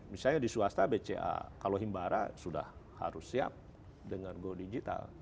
misalnya di swasta bca kalau himbara sudah harus siap dengan go digital